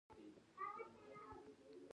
د مطلقه رژیم د پایښت لپاره یې تګلاره پیاوړې کړه.